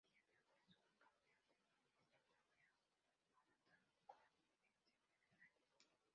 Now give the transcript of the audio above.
Dieter fue subcampeón del mismo torneo anotando un gol en semifinales.